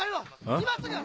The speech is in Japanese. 今すぐ！